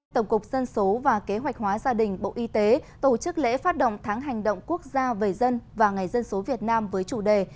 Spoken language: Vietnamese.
tổng cục dân số và kế hoạch hóa gia đình bộ y tế tổ chức lễ phát động tháng hành động quốc gia về dân và ngày dân số việt nam với chủ đề